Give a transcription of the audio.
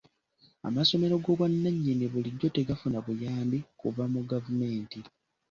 Amasomero g'obwannannyini bulijjo tegafuna buyambi kuva mu gavumenti.